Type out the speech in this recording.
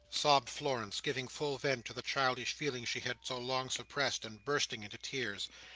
sobbed Florence, giving full vent to the childish feelings she had so long suppressed, and bursting into tears.